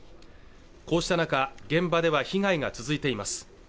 こうした中現場では被害が続いています